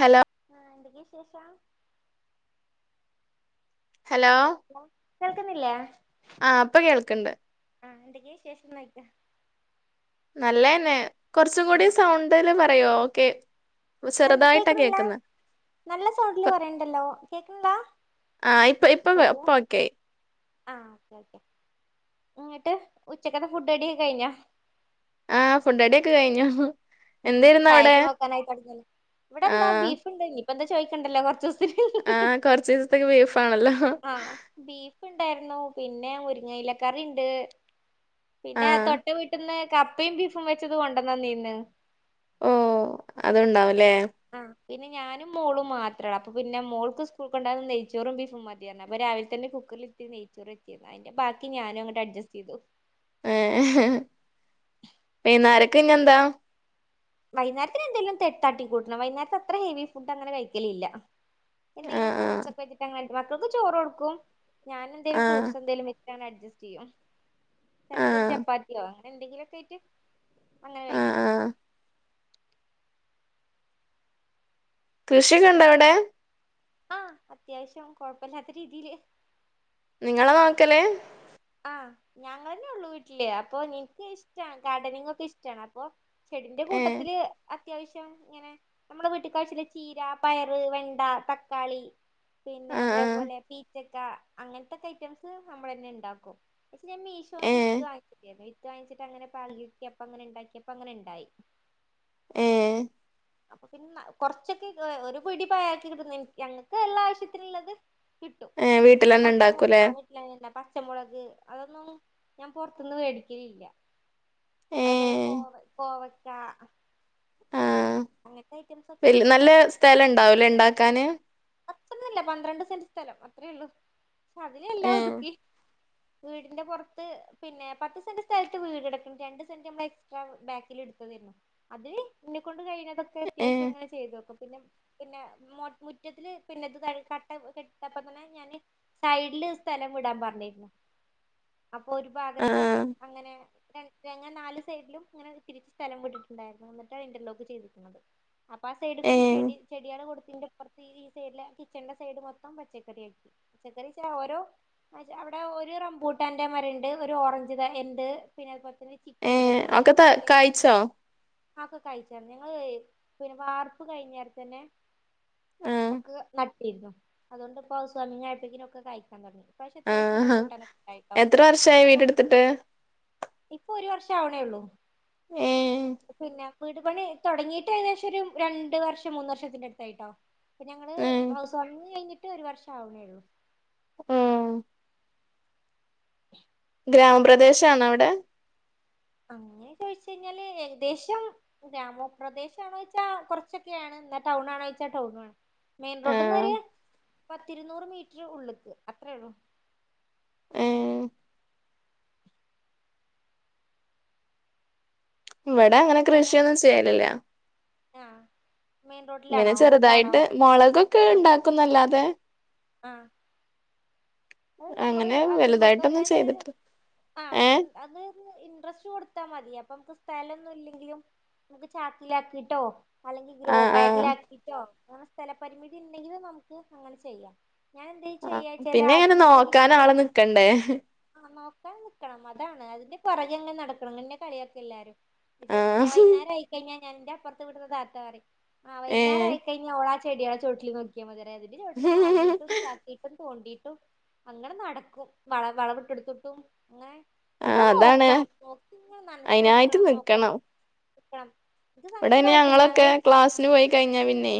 Hello? ആഹ്, എന്തക്കെ വിശേഷം? ഹലോ? കേൾക്കുന്നില്ലേ? ആഹ് ഇപ്പൊ കേൾക്ക്ണ്ട് ആഹ്, എന്തൊക്കെയ വിശേഷങ്ങള് ചോയ്ക? നല്ലതന്നെ. കൊർച്ചു കൂടി സൗണ്ട്ല് പറയോ? കേ നല്ല ചെറുതായിട്ടാ കേക്കുന്നില്ല കേൾക്കുന്നത്. നല്ല സൗണ്ട്ല് പറയ്ണ്ടല്ലോ? കേൾക്ക്ണ്ൽയെ? ആഹ് ഇപ്പൊ ഇപ്പൊ ഇപ്പൊ ഓക്കെയായി ആഹ്, ഓക്കെ ഓക്കെ. ഇങ്ങട്ട്, ഉച്ചക്കത്തെ ഫുഡഡിയൊകെ കഴിഞ്ഞ? ആഹ്, ഫുഡടിയൊക്കെ കഴിഞ്ഞു. ഉം, എന്തായിരുന്നു അവിടെ ചായക്ക് നോക്കാനായി തുടങ്ങില്ലൊ, ഇവിടെ എന്താ ആഹ് ബീഫ്ണ്ട്. ഇനി ഇപ്പ എന്താ ചോയിക്കണ്ടല്ലോ കൊറച്ച് ദിവസ ആഹ്, കൊറച്ച് ദിവസത്തേക്ക് ബീഫാണല്ലോ. ആഹ് ബീഫ് ഉണ്ടായിരുന്നു, പിന്നെ മുരിങ്ങയിലക്കറി ഉണ്ട്. പിന്നെ, ആഹ് തൊട്ട വീട്ട്ന്ന് കപ്പയും ബീഫും വെച്ചത് കൊണ്ടന്നന്നീന്ന്. ഓഹ്, അതുണ്ടാവുലേ? ആഹ്, പിന്നെ ഞാനും മോളും മാത്രളു, അപ്പൊ പിന്നെ മോൾക്ക് സ്കൂൾക്ക് കൊണ്ടോവാ നെയ്ച്ചോറും ബീഫും മതി എന്ന് പറഞ്ഞു. അപ്പൊ രാവിലെ തന്നെ ഫു കുക്കറിലിട്ട് നെയ്ച്ചോറ് വച്ചീനു, അതിന്റെ ബാക്കി ഞാനങ്ങട്ട് അഡ്ജസ്റ്റ് ചെയ്തു. ഏഹ്. ന്നാരക്ക് ഇഞ്ഞെന്താ? വൈന്നേരത്തിന് എന്തെങ്കിലും തെട്ടാട്ടി കൂട്ടണം. വൈന്നേരത്‌ അത്ര ഹെവി ഫുഡ് അങ്ങനെ കഴിക്കലില്ല. എന്തെലും ആഹ് ആഹ് ഫ്രൂട്ട്സ് വെച്ചിട്ട് അങ്ങനെ മക്കൾക്ക് ചോറ് കൊടുക്കും. ഞാനെന്തേലും ആഹ് ഫ്രൂഡ്സ് എന്തും വെ ഞാൻ അഡ്ജസ്റ്റ് ചെയ്യും. ചിലപ്പോ ഒരു ആഹ് ചപ്പാത്തിയോ അങ്ങനെ എന്തെങ്കിലും ഒക്കെ ആയിട്ട്... അങ്ങനെ ആഹ് കഴിക്കും. ആഹ് കൃഷിഒക്കെ ഉണ്ടോ അവിടെ? ആഹ്, അത്യാവിശ്യം, കൊഴപ്പല്ലാത്ത രീതിയില്. നിങ്ങള നോക്കല്? ആഹ്, ഞങ്ങളെന്നെ ഉള്ളു വീട്ടില്. അപ്പൊ ൻക്ക് ഇഷ്ടാണ്, ഗാർഡനിങ് ഒക്കെ ഇഷ്ടാണ്. അപ്പൊ. ചെടിന്റെ ഏഹ് കൂട്ടത്തില്. അത്യാവിശ്യം ഇങ്ങനെ, നമ്മുടെ വീട്ടിക്കാവശ്യല്ല ചീര, പയറ്, വെണ്ട തക്കാളി. പിന്നെ ആഹ് ആഹ് അതേപോലെ പീച്ചക്ക, അങ്ങനത്തക്കെ ഐറ്റംസ് നമ്മളെന്നെ ഉണ്ടാക്കും. [unintelligible] ഞാൻ മീശോന്ന് ഏഹ് വിത്ത് വാങ്ങിച്ചീട്ടയിരുന്നു, വിത്ത് വാങ്ങിച്ചി ട്ട് അങ്ങനെ പാകിട്ടപ്പം അങ്ങനെണ്ടാക്കിയപ്പം അങ്ങനെ ണ്ടായി. ഏഹ്. അപ്പൊ പിന്നെ കൊറച്ചൊക്കെ, ഒരു പിടി പ [unintelligible] ഞൾക്ക് ള്ള ആവശ്യത്തിനുള്ളത്. കിട്ടും. ഏഹ് വീട്ടിലന്നെ പച്ചമു ഇണ്ടാക്കൂലേ ആ. [unintelligible] പച്ചമുളക് അതൊന്നും, ഞാൻ പൊർത്ത്ന്ന് മേടിക്കലില്ല. അതുപോലെ ഏഹ് കോവ കോവക്ക. ആഹ് അങ്ങനത്തെ ഐറ്റംസ് ഒക്കെ നല്ല സ്ഥലം ഇണ്ടാവും അല്ലേ ഇണ്ടാക്കാന് അത്രന്നല്ല പന്ത്രണ്ട് സെന്റ് സ്ഥലം അത്രേ ഉള്ളു അതിന് എല്ലാം ഏഹ് ഒതുക്കി വീടിന്റെ പുറത്ത് പിന്നെ പത്ത് സെന്റ് സ്ഥലത്ത് വീട് എടുക്കാൻ രണ്ട് സെന്റ് നമ്മൾ എക്സ്ട്രാ ബാക്കിൽ എടുത്തതെന്ന് അത് എന്നാ കൊണ്ട് കഴിഞ്ഞതൊക്കെ അത്യാവശ്യം ഏഹ് ഇങ്ങനെ ചെയ്തു നോക്കും പിന്നെ പിന്നെ മിറ്റത്തില് പിന്നെത് കട്ട കെട്ടപ്പ തന്നെ ഞാന് സൈഡില് സ്ഥലം വിടാൻ പറഞ്ഞിരുന്നു [inaudible] അപ്പൊ ഒരു ഭാഗത്ത് ആഹ് അങ്ങനെ ഞങ്ങ നാല് സൈഡിലും അങ്ങനെ തിരിച്ച് സ്ഥലം വിട്ടിട്ടുണ്ടായിരുന്നു എന്നിട്ടാണ് ഇന്റർലോക്ക് ചെയ്തിരിക്കുന്നത് അപ്പൊ ആ സൈഡ് കൂടി ഏഹ് ചെടി ചെകൊടുത്തിന്റെ ഈ സൈഡിലെ കിച്ചന്റെ സൈഡ് മൊത്തം പച്ചക്കറി ആയിരിക്കും പച്ചക്കറി ഓരോ അ അവിടെ ഒരു റംബൂട്ടാന്റെ മരം ഉണ്ട് ഒരു ഓറഞ്ച് ഉണ്ട് പിന്നെ അതുപോലെ തന്നെ ഏ ചിക്കുന്റെതും ഒക്കെ ത കഴിയ്ച്ചു ആ ഒക്കെ കഴിയ്ച്ചു ഞങ്ങള് പിന്നെ വാർപ്പ് കഴിഞ്ഞര തന്നെ ആഹ് ഒക്കെ നാട്ടു ഇരുന്നു അതുകൊണ്ട് എപ്പോ സമയമായപ്പോഴേക്കും ഒക്കെ കായിക്കാൻ തുടങ്ങി ഈ പ്രാവശ്യം അത്യാവശ്യം ആഹ് റംബൂട്ടാനട്ടായിട്ടോണ്ട് എത്ര വർഷായി ചിക്കു ഉണ്ട് വീടെടുത്തിട്ട് ഇപ്പൊ ഒരു വർഷം ആവണേ ഉള്ളൂ ഏഹ് പിന്നെ വീട് പണി തുടങ്ങിട്ട് ഏകദേശം ഒരു രണ്ടു വർഷം മൂന്ന് വർഷത്തിന്റെ അടുത്തായിട്ടോ ഇപ്പൊ ഞങ്ങള് ഏഹ് ഹൗസ് വാമിംഗ് കഴിഞ്ഞിട്ട് ഒരു വർഷം ആവണേള്ളൂ ഉം ഗ്രാമ അപ്പൊ പ്രദേശമാണോ അവിടെ അങ്ങനെ ചോദിച്ചു കഴിഞ്ഞാല് ഏകദേശം ഗ്രാമപദേശണോെച്ചാൽ കുറച്ചൊക്കെയാണ് എന്നാ ടൗൺ ആണോ എന്ന് ചോദിച്ച ടൗൺ ആണ് മെയിൻ റോഡിന്ന് ആഹ് ഒരു പത്തു ഇരുന്നൂർ മീറ്റർ ഉള്ളക്ക് അത്രേ ഉള്ളൂ ഏഹ് ഇവിടെ അങ്ങനെ കൃഷിയൊന്നും ചെയ്യൽ ഇല്ല ഉം ഇങ്ങനെ ചെറുതായിട്ട് മുളകൊക്കെ ആഹ് ഉണ്ടാക്കുന്നല്ലാതെ ആഹ് അത് നമ്മള് അങ്ങനെ അതുമക്കാ വലുതായിട്ടൊന്നും എന്താ ചെയ്തിട്ട് ആ ഏഹ് അത് ഇൻട്രസ്റ്റ് കൊടുത്താ മതി അപ്പൊ നമക്ക് സ്ഥലം ഒന്നുമില്ലെങ്കിലും നമക്ക് ചാക്കിലാക്കിട്ടോ അല്ലെങ്കിൽ ഗ്രോ ആഹ് ആഹ് ബാഗിൽ ആക്കിട്ടോ അങ്ങനെ സ്ഥലപരിമിതി ഉണ്ടെങ്കിൽ നമുക്ക് അങ്ങനെ ചെയ്യാം ഞാൻ എന്ത ആ ചെയ്യ പിന്നെ വെച്ച ആ ഇങ്ങനെ നോക്കാൻ ആള് നിക്കണ്ടേ ആ നോക്കാൻ നിക്കണം അതാണ് അതിന്റെ പിറകെങ്ങനെ നടക്കണം അങ്ങനെ തന്നെ കളിയാക്കൽ എല്ലാവരും ആ വൈകുന്നേരം ആയിക്കഴിഞ്ഞാ ഞാ അപ്പറത്ത് വിടുന്ന താത്താറി ആ ഏ വൈന്നേരം ആ കഴിഞ്ഞ അവഓള ആ ചെടിയള ചോവിലിൽ നോക്കിയാ മതി അതി ചോട്ടിലിൽ മാന്തിട്ടും ചാത്തിട്ടും തോണ്ടിയിട്ടും അങ്ങനെ നടക്കും വള വളവിട്ട എടുത്തിട്ടും അങ്ങനെ ആ നമ്മൾ അതാണ് നോക്കണം നോക്കി നനച്ച അയിനായിട്ട് കൊടുക്കണം നോക്കണംക്കണം ഇവിടെന്നെ ഞങ്ങളൊക്കെ ക്ലാസ് പോയി കഴിഞ്ഞ പിന്നെ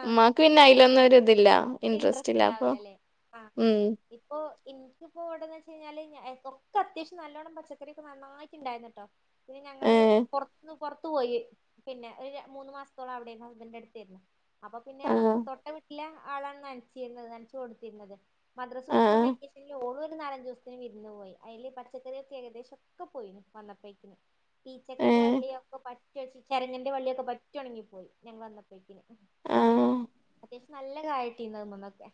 ആഹ് ഉമ്മാക്ക് പിന്നെ അയിലൊന്നും വീട്ടില് ഒരു ഇതില്ല ഇൻട്രസ്റ്റ് ഇല്ല അപ്പൊ ഉണ്ടാവില്ലല്ലേ ആഹ് ഉം ഇപ്പൊ എനിക്കിപ്പോ എവിടുന്ന് വെച്ച കഴിഞ്ഞാല് ഒക്കെ അത്യാവശ്യം നല്ലവണ്ണം പച്ചക്കറൊക്കെ നന്നായിട്ടുണ്ടായിരുന്ന കേട്ടോ പിന്നെ ഏ ഞങ്ങള് പുറത്തന്ന് പുറത്തു പോയി പിന്നെ ഒരു മൂന്ന് മാസത്തോളം അവിടെ ഹുസ്ബൻഡ് അടുത്തരുന്നു അപ്പൊ പിന്നെ ആ തൊട്ട വീട്ടിലെ ആളാണ് നനച്ചിരുന്നത് നനച്ച് കൊടുത്തിരുന്നത് മദ്രാസ് ആ സ്കൂളും വെക്കേഷനല് ഓളും ഒരു നാലഞ്ചു സ്ത്തിന് വിരുന്ന് പോയി അയില് പച്ചക്കറിക്കെ ഏകദേശം ഒക്കെ പോയിണ് വന്നപ്പയേക്കും [inaudible] പീച്ചക്കന്റെ വള്ളിയൊക്കെ പറ്റ യി ച്ച് ചരങ്ങന്റെ വള്ളിയൊക്കെ പറ്റെ ഒണങ്ങി പോയി ഞങ്ങൾ വന്നപ്പയേക്കിന് ആ അത്യാവശ്യം നല്ല കായിട്ടീന്ന് അയ്മന്നൊക്കെ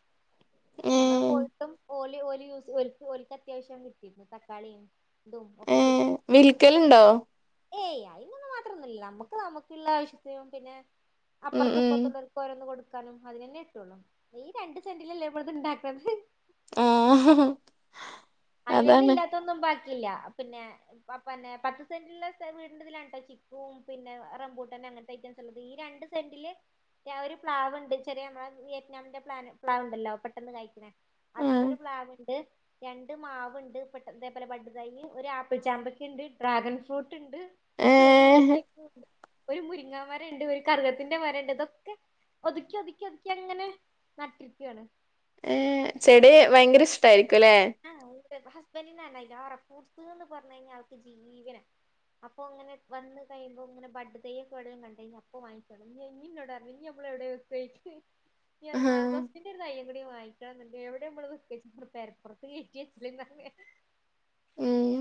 ഏ ഞങ്ങള് പോയിട്ടും ഓൽ ല് ഓല് യൂ സ് ഓൽക്ക് ഓൽക്ക് അത്യാവശ്യം കിട്ടിയിരുന്നു തക്കാളിം തും ഏ ഒക്കെ കിട്ടി വിൽക്കലുണ്ടോ ഏയ് അയിനൊന്നു മാത്രൊന്നുല്ല നമ്മുക്ക് നമുക്കുള്ള ആവശ്യത്തിനും പിന്നെ ഉം അപ്പറത്തും ഉം ഇപ്പറത്തുള്ളോൽക്ക് ഓരോന്ന് കൊടുക്കാനും അതിനെന്നെ ട്ടൊള്ളു ഈ രണ്ട് സെന്റിലല്ലേ നമ്മളത്ണ്ടാക്ക്ണത് ആഹ് അയിലന്നെ ഇല്ലാത്തൊന്നും ബാക്കില്ല പിന്നെ പ പ പിന്നെ പത്ത് സെന്റ് ല് ള്ള സ്ഥ വീടിന്റെതിലാണ് ട്ടോ ചി ക്കൂ പിന്നെ റംമ്പൂട്ടാൻ അങ്ങനത്തെ ഐറ്റംസ്ള്ളത് ഈ രണ്ട് സെന്റില് ഞാ ഒരു പ്ലാവ്ണ്ട് ചെറിയ നമ്മളെ വിയറ്റ്നാമിന്റെ പ്ലാൻ പ്ലാവ്ണ്ടല്ലോ പെട്ടെന്ന് കാഴിക്ക്ണേ ആ അതിന്റെ ഒരു പ്ലാവ്ണ്ട് ര ണ്ട് മാവുണ്ട് ബ തേ പോലെ ബഡ് തൈ ഒരു ആപ്പിൾ ചാമ്പക്കണ്ട് ഡ്രാഗൺ ഫ്രൂ ട്ട്ണ്ട് ഏ അതേ പോലെ രണ്ട് തേക്ക് ണ്ട് ഒരു മുരിങ്ങാമരണ്ട് ഒരു കറ് കത്തിന്റെ മരണ്ട് തൊക്കെ ഒതുക്കി ഒതുക്കി ഒതുക്കിഅങ്ങനെ നട്ടി രിക്കാണ് ഏ ചെടി ഭയങ്കരഷ്ടായിരിക്കും ലെ ആഹ് ണ്ട് ഹസ്ബൻറിനാണ് അയ് ലാറെ ഫ്രൂട്സ്ന്ന് പറഞ്ഞഴിഞ്ഞാൽ ആൾക്ക് ജീവനാ അപ്പൊ അങ്ങനെ വന്ന് കഴിയുമ്പോ ഇങ്ങനെ ബഡ് തയൊക്കെവിടേലും കണ്ടു കഴിഞ്ഞ അപ്പോ വാങ്ങക്കളും ഞി ഞ്ഞിന്നോടർ ഞ്ഞും നമ്മളെവിടെ [unintelligible] ആ ഇഞ്ഞറിം മാഗോസിന്റെറ ഒരു തയ്യും കൂടി വങ്ങിക്കണംന്ന്ണ്ട് എവിടെ മ്മളത് വെക്കായ്ച്ച് ഞാ പറ്ഞ് പെര പൊർ [unintelligible] ഏ ഹേ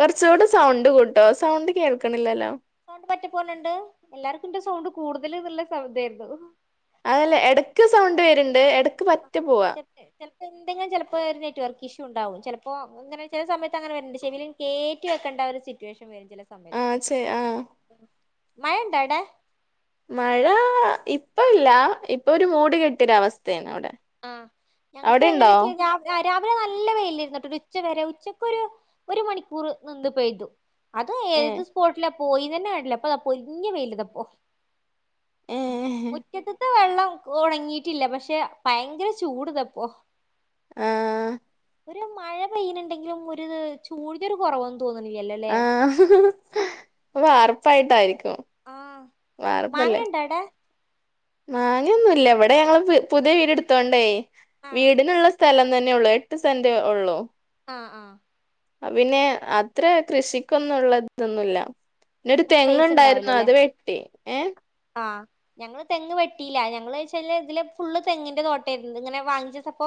കുറച്ചൂടെ സൗണ്ട് കൂട്ടോ സൗണ്ട് കേൾക്ക്ണില്ലല്ലോ സൗണ്ട് പറ്റപ്പോണ് ണ്ട് എല്ലാർക്കുംന്റെ സൗണ്ട് കൂടുതൽ ന്ന്ള്ള സൗ തെയ്രുന്നു അതല്ല എടക്ക് സൗണ്ട് വര്ണ്ട് എട ആഹ് ത ന്നെ ചെലപ്പോ എന്തെങ്കിലും ചിലപ്പോ ഒരു നെറ്റ് വർക്ക് ഇഷ്യൂ ഉണ്ടാവും ചിലപ്പോ അങ്ങനെ ചില സമയത്ത് അങ്ങനെ വരണ്ട് ചെവീൽ കേറ്റി വെക്കണ്ട ഒരു സിറ്റുവേഷൻ വരും ചില ആ സമയത്ത് ചെ ആ മഴണ്ടാടേ മഴ ഇപ്പ ഇല്ല ഇപ്പൊ ഒരു മൂടികെട്ടിയൊരവസ്ഥയാണ് ഇവിടെ ആ ഞങ്ങക്ക് എങ്ങനെ ച്ച് കഴിഞ്ഞാ രാവിലെ നല്ല വെയിലിരുന്നുട്ടോ ഒരു ഉച്ച വരെ ഉച്ചക്ക് ഒരു ഒരു മണിക്കൂർ നിന്ന് പെയ്തു അത് ഏ ഏത് സ്പോട്ടിലാ പോയിന്നന്നെ കണ്ടില്ലാ പ്പതാ പൊരിഞ്ഞ വെയില് താപ്പോ ഏ മുറ്റത്ത്ത്തെ വെള്ളം ഒണങ്ങിയിട്ടില്ല പക്ഷെ ഭയങ്കര ചൂട്തപ്പോ ആഹ് ഒരു മഴ പെയ്യ്ണ് ണ്ടെങ്കിലും ഒരു ചൂട്ന്റെ ഒര് കുറവൊ തോന്ന്ല്ലല്ലോ ആഹ് അഹ് വാർപ്പായിട്ടായിരിക്കും ആഹ് വാർപ്പല്ലേ മാങ്ങണ്ടാടേ മാങ്ങയൊന്നുല്ല ഇവിടെ ഞങ്ങള് പുതിയ വീട് ടുത്തോണ്ടേ ആഹ് വീടിനുള്ള സ്ഥലം തന്നെയൊള്ളൂ എ ട്ട് സെന്റെ ഒള്ളൂ ആഹ്ആഹ് അപ്പ പിന്നെ അത്ര കൃഷിക്കൊന്നുള്ള ഇതൊന്നുല്ല പിന്നൊരു സ്പേസ് തെങ്ങുണ്ടായിരുന്നു ഉണ്ടാവില്ലല്ലേ അത് വെട്ടി ഏഹ്? ആഹ് ഞങ്ങള് തെങ്ങ് വെട്ടിയില്ല ഞങ്ങളെ വെച്ചാല് ഇതില് ഫുള്ള് തെങ്ങിന്റെ തോട്ടായിരുന്നു ഇങ്ങനെ വാങ്ങിച്ചപ്പോ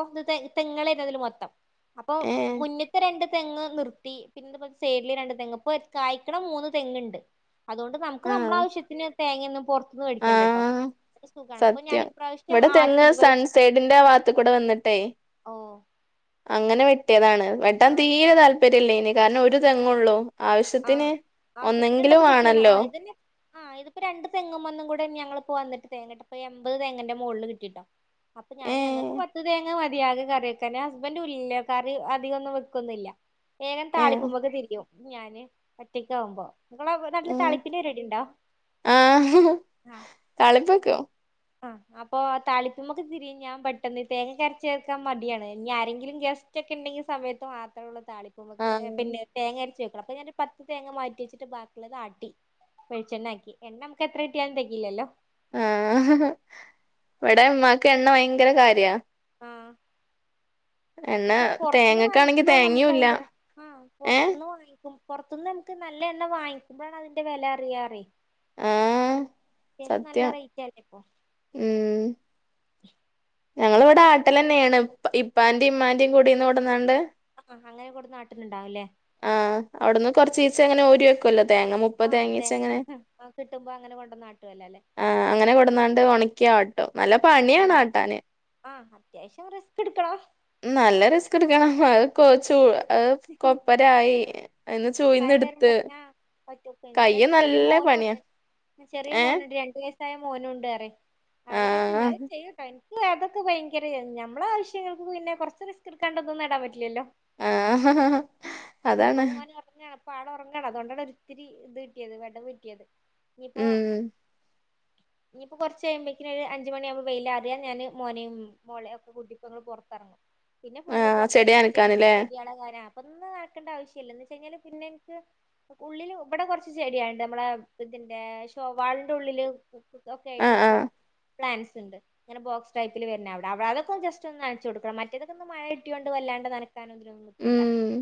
തെങ്ങളായിരുന്നു അതില് മൊത്തം അപ്പൊ ഏ മുന്നിത്തെ രണ്ട് തെങ്ങ് നിർത്തി [unintelligible] സെയ്ഡില് രണ്ട് തെങ്ങ് ഇപ്പൊ കായ്ക്ക്ണ മൂന്ന് തെങ്ങ്ണ്ട് അതോണ്ട് നമുക്ക് നമ്മളെ ആഹ് ആവശ്യത്തിന് തേങ്ങിയൊന്നും പൊറത്തുന്ന് വേടിക്കണ്ടെട്ടോ ആഹ് അതോണ്ട് സുഖാണ് അപ്പൊ സത്യം ഞാനിപ്രാവിശ്യം ഇവിടെ തെങ്ങ് ആട്ടി വെളിച്ചെണ്ണ സൺസൈഡിന്റെ ആ ഭാഗത്ത് കൂടെ വന്നിട്ടേ ഓഹ് അങ്ങനെ വെട്ടിയതാണ് വെട്ടാൻ ആഹ് തീരെ താല്പര്യം ഇല്ലേനി കാരണം ഒരു ആഹ് തെങ്ങൊള്ളൂ ആഹ് ആവശ്യത്തിന് ആവശ്യത്തിനുള്ളത് ഒന്നെങ്കിലും കിട്ടിയാലോ വേണല്ലോ ആഹ് ഇതന്നെ ആഹ് ഇതിപ്പോ രണ്ട് തെങ്ങുംമ്മന്നും കൂടെന്ന്യ ഞങ്ങിള്പ്പോ വന്നിട്ട് തേങ്ങട്ടെ ബപ്പോ എമ്പത് തേങ്ങന്റെ മോളില് കിട്ടിട്ടോ അപ്പൊ ഏ ഞാന് ഞങ്ങക്ക് പത്ത് തേങ്ങ മതി ആകെ കറി കാരണം ഹസ്ബെൻഡും ഇല്ല കറി അധികൊന്നും വെക്കൊന്നില്ല വേഗം ഏ താളിപ്പ് ചെയ്യും ഞാന് ഒറ്റക്ക് ആവുമ്പോ നിങ്ങളെ നാട്ടില് ഉം താളിപ്പിന്റെ പരിപാടി ഉണ്ടോ? ആഹ് താളിപ്പ് വെക്കും ആഹ് അപ്പോ ആ താളിപ്പ്മ്മെക്ക് തിരിയും ഞാൻ പെട്ടെന്ന് തേങ്ങക്കെ അരച്ച് ചേർക്കാൻ മടിയാണ് ഇനി ആരെങ്കിലും ഗസ് റ്റൊക്കെ ഇണ്ടെങ്കി സമയത്ത് മാത്രൊള്ളു ആഹ് താളിപ്പ്മ്മക്ക് തേങ്ങ അരച്ച് വെക്ക്ണെ അപ്പ ഞാനൊരു പത്ത് തേങ്ങ മാറ്റിവെച്ചിട്ട് ബാക്കിയുള്ളത് ആട്ടി വെളിച്ചെണ്ണ ആക്കി എണ്ണ നമുക്ക് എത്ര കട്ടിയാലും തെകയില്ലല്ലോ ആഹ് ഇവടെ ഇമ്മാക്ക് എണ്ണ ഭയങ്കര കാര്യ ആഹ് എണ്ണ പക്ഷെ പൊറത്തുന്നു തേങ്ങക്കാണെങ്കി വാങ്ങിക്കുമ്പയാണ് നമ്മുക്ക് തേങ്ങയുല്ല അതിന്റെ ആഹ് ഏ പൊറത്തുന്ന് വാങ്ങിക്കും പൊറത്തുന്ന് നമുക്ക് നല്ല എണ്ണ വാങ്ങിക്കുമ്പയാണ് അതിന്റെ വെല അറിയാറേ ആഹ് അത്യാവിശ്യം നല്ല സത്യം റേറ്റ് അല്ലേ ഇപ്പൊ ഉം ഞങ്ങള് ഇവടെ ആട്ടലെന്നേണ് ഇപ്പാന്റിം ഇമ്മാന്റിം കുടീന്നു കൊടന്നാണ്ട് ആഹ് അങ്ങനെ കൊട്ന്ന് ആട്ടല്ണ്ടാവും ലെ? ആഹ് അവിടുന്ന് കൊറച്ചീചെങ്ങനെ ഓരി വെക്കല്ലോ തേങ്ങ മുപ്പ ആഹ് തേങ്ങ ആഹ് കിട്ടുമ്പോ അങ്ങനെ കൊണ്ടന്നാട്ടും അല്ല ല്ലെ ആഹ് അങ്ങനെ കൊടന്നാണ്ട് ഒണക്കി ആട്ടും നല്ല പണിയാണ് ആഹ് ആട്ടാന് ആഹ് അത്യാവിശ്യം റിസ്ക്ക്ട്ക്കണം ഉം നല്ല റിസ്ക്ക്ട്ക്കണം അത് കൊ ചൂ അത് കൊപ്പരായി അയിന്ന് ഇണ്ടായി ചൂയിന്നെടുത്ത് വരുമ്പോത്തിനാ ആഹ് ഒറ്റക്കെനി കയ്യ് ഇൻക്കാണെ ചെറിയ നല്ല പണിയാ മോനൂണ്ട് ചെറിയ ഏഹ് മോനൂണ്ട് രണ്ടു വയസ്സായ മോനും ഉണ്ടറിയാ അവനിം വെച്ച് ആഹ് ഇന്നാലും ചെയ്യൂട്ടോ ഇൻക്കില്ല്യ അതൊക്കെ ഭയങ്കര നമ്മളെ ആവശ്യങ്ങൾക്ക് പിന്നെ കൊറച്ച് റിസ്ക് എടുക്കാണ്ടൊന്നും നേടാൻ പറ്റില്ലല്ലോ ആഹ് ഇപ്പൊ അതാണ് മോന് ഒറങ്ങാണ് ഇപ്പാള് ഒറങ്ങാണ് അത്കൊണ്ടാണ് ഒരിത്തിരി ഇത് കിട്ടിയത് വെഡവ് കിട്ടിയത് ഇഞ്ഞ്പ്പൊ ഉം ഇഞ്ഞ്പ്പോ കൊറച്ച് കഴിയുമ്പോക്കിന് ഒരു അഞ്ച് മണിയാവുമ്പോ വെയിലാറിയ ഞാന് മോനെയും മോളെയും ഒക്കെ കൂട്ടി ഇപ്പൊ ഞങ്ങള് പൊറത്തിറങ്ങും പിന്നെ ഫുള്ള് ആഹ് പൊറത്തെ ചെടി നനക്കാന്ല്ലേ ചെടിയാളെ കാര്യ അപ്പൊ ഇന്ന് നനക്കേണ്ട ആവിശ്യല്ല എന്ന് വെച്ച കഴിഞ്ഞാല് പിന്നെ ഇൻക്ക് ഉള്ളില് ഇവടെ കൊറച്ച് ചെടിയാള്ണ്ട് നമ്മളെ ഇതിന്റെ ശൊ വാളിന്റെ ഉള്ളില് [unintelligible] ഒക്കെ ആയിട്ട് ആഹ് ആഹ് കൊറച്ച് പ്ലാൻസ്ണ്ട് ഇങ്ങന ബോക്സ് ടൈപ്പിൽ വരുന്ന അവിടെ അവിടെതൊക്കെ ജസ്റ്റ്‌ ഒന്ന് നനച്ച് കൊടുക്കണം മറ്റേതൊക്കെ ഒ മഴ കിട്ടിയൊണ്ട് വല്ലാണ്ട് നന ക്കാനൊന്ന് [unintelligible] നിൽക്കണ്ട ഉം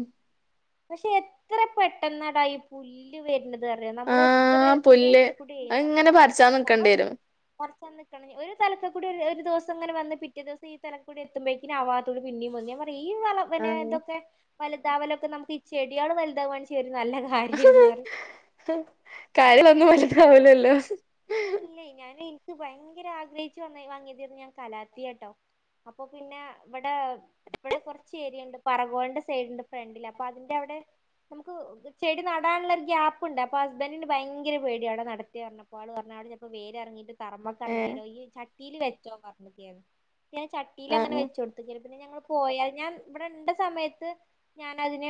പക്ഷെ എത്ര പെട്ടെന്നടാ ഇ പുല്ല് വര്ണത് അറിയോ നമ്മള് എത്ര ആഹ് ഏതിന്റെ പുല്ല് എടേൽ കൂടി ഞാൻ പറ അത്ങ്ങനെ പറിച്ചാൻ നമ്മള നിക്കണ്ടി അതിനെ വരും കുറച്ച് ഒരു തലക്ക് കൂടി ഒരു ദിവസം ങ്ങനെ വന്ന് പിറ്റേ ദിവസ ഈ തലക്കൂടി എത്തുമ്പഴേക്ക് ആഹ് വാതൂടി പിന്നേ വന്ന പറ ഈ കാലം പിന്നെ ആഹ് എന്തൊക്കെ വലുതാവലൊക്കെ നമുക്ക് ഈ ചെടികള് വലുതവണിച്ച ഒരു നല്ല കാര്യംയിന്ന് പറ കാര്യമൊന്നും വലുതാവൂലല്ലോ ആഹ് ഇല്ലേ ഞാനെ എനിക്ക് ഭയങ്കര ആഗ്രഹിച്ചു വന്ന വങ്ങിയതര്ന്നു ഞാൻ കലാത്തിയട്ടോ അപ്പൊ പിന്നെ ഇവിടെ ഇവിടെ കുറച്ച് ഏരിയ ഇണ്ട് പറഗോലിന്റെ സൈഡ്ണ്ട് ഫ്രണ്ടില് അപ്പൊ അതിന്റെ അവിടെ നമുക്ക് ചെടി നടാനുള്ള ഒരു ഗ്യാപ്പ്ണ്ട് അപ്പൊ ഹസ്ബൻഡിന് ഭയങ്കര പേടി അവിടെ നടട്ടെ പറഞ്ഞപ്പോ ചെലപ്പോ വേര് എറങ്ങീട്ട് തറമേക്ക് ഏഹ് ഇറങ്ങിയാലോ ഈ ചട്ടി ചട്ടിയിൽ വെച്ചോ പറഞ്ഞിട്ട് ഞാൻ ചട്ടിയിൽ അങ്ങനെ ആഹ് വെച് കൊടുക്കു ക്ക പിന്നെ ഞങ്ങൾ പോയാ അത് ഞാൻ ഇവിടെ ഇള്ള സമയത്ത് ഞാനതിന്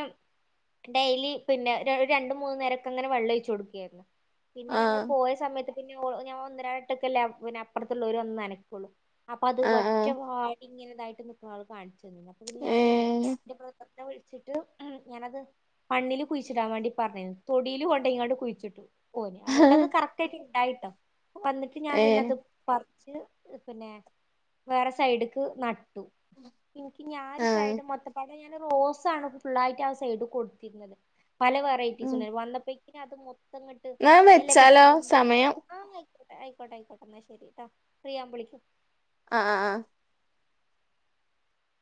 ഡെയിലി പിന്നെ രണ്ട് മൂന്നു നേരൊക്കെ അങ്ങനെ വെള്ളം ഒഴിച്ചു കൊടുക്കുവായിരുന്നു പിന്നെ ഞങ്ങൾ ആഹ് പോയ സമയത്ത് പിന്നെ ഞാൻ ഒന്നിനട്ടൊക്കല്ലേ പിന്നെ അപ്പറത്തുള്ളവര് വന്ന് നനക്കുള്ളൂ അപ്പൊ അത് ആഹ് ആഹ് ഒറ്റവാടി ഇങ്ങനെതായിട്ട് നിക്കുമ്പള് കാണിച്ചു തന്നെ അപ്പൊ ഇ ഞാന് ഏഹ് എന്നെ വിളിച്ചിട്ട് ഉം ഞാനത് മണ്ണിൽ കുഴിച്ചിടാൻ വേണ്ടി പറഞ്ഞിരുന്നു തൊടില് കൊണ്ട് ഇങ്ങോട്ട് കുഴിച്ചിട്ടു ഓനെ അതുകൊണ്ടത് കറക്റ്റയിട്ട് ഇണ്ടായിട്ടോ വന്നിട്ട് ഞാൻ ഏഹ് പിന്നെത് പറിച്ച് പിന്നെ വേറെ സൈഡ്ക്ക് നട്ടു എനിക്ക് ഞാനൊ ആഹ് [unintelligible] ഞാൻ റോസ് ആണ് ഫുുള്ളായിട്ട് ആഹ് സൈഡ് കൊടുത്തിരുന്നത് പലെ വെറൈറ്റീസ് ഇണ്ടായി വന്നപ്പോക്ക് അത് ഇങ്ങട്ട് ദ എലൊക്കെ വെച്ചാലോ ചുരുണ്ട് സമയം ആഹ് ആയിക്കോട്ടെ ആയിക്കോട്ടെ ആയിക്കോട്ടെ എന്നാ ശരി കേട്ടോ ഫ്രീ ആകുമ്പോ വിളിക്കം ആഹ് ആഹ്